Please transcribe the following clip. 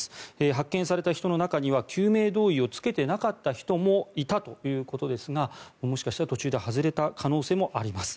発見された人の中には救命胴衣を着けていなかった人もいたということですがもしかしたら途中で外れた可能性もあります。